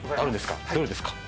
どれですか？